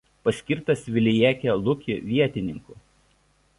Paskirtas Velikije Luki vietininku.